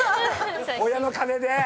親の金で！